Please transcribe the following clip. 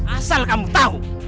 asal kamu tahu